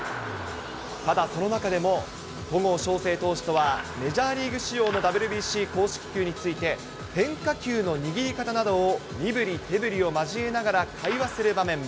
ただ、その中でも戸郷翔征投手とはメジャーリーグ仕様のＷＢＣ公式球について、変化球の握り方などを身ぶり手ぶりを交えながら会話する場面も。